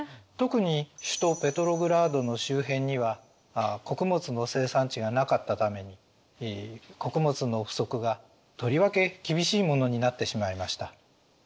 特に首都ペトログラードの周辺には穀物の生産地がなかったために穀物の不足がとりわけ厳しいものになってしまいました。